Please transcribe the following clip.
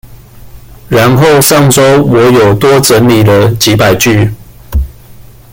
然後上週我有多整理了幾百句